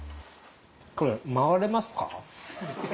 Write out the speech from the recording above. これ回れますか？